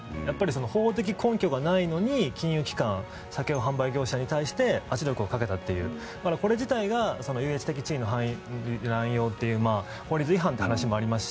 法的根拠がないのに金融機関酒の販売業者に対して圧力をかけたとこれ自体が優越的地位の乱用という法律違反という話もありますし